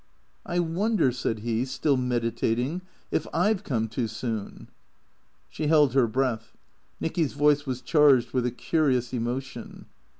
" I wonder," said he, still meditating, " if I 've come too Boon." She held her breath. Nicky's voice was charged with a curious emotion.